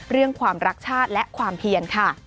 เรื่องความรักชาติและความเพียนค่ะ